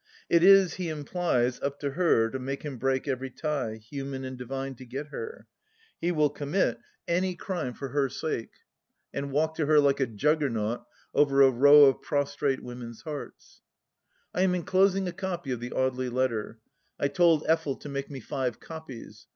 It is, he implies, up to her to make him break every tie, human and divine, to get her ; he will commit any 62 THE LAST DITCH crime for her sake, and walk to her, like a Juggernaut, over a row of prostrate women's hearts I am enclosing a copy of the Audely letter. I told Effel to make me five copies.